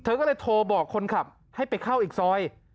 ก็เลยโทรบอกคนขับให้ไปเข้าอีกซอย